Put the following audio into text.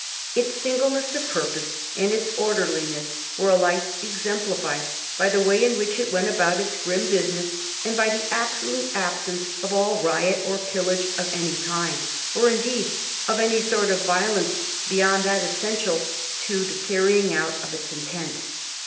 Its single ness of purpose and its orderliness were alike exemplified by the way in which it went about its grim business and by the absolute absence of all riot or pillage of any kind, or indeed of any sort of violence beyond that essential to the carrying out of its intent.